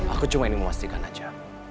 aku cuma ini memastikan aja